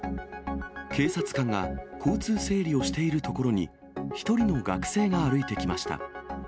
警察官が交通整理をしているところに、１人の学生が歩いてきました。